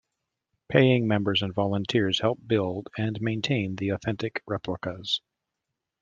Paying members and volunteers help build and maintain the authentic replicas.